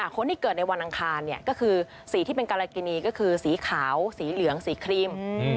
คนที่เกิดในวันอังคารก็คือสีที่เป็นกรกินีก็คือสีขาวสีเหลืองสีครีม